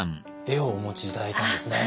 絵をお持ち頂いたんですね。